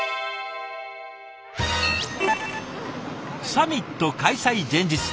サミット開催前日。